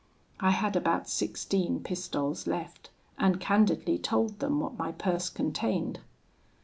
I had about sixteen pistoles left, and candidly told them what my purse contained.